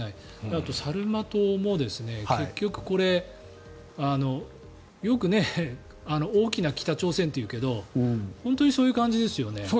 あと、サルマトも結局これよく大きな北朝鮮って言うけど本当にそういう感じですよね。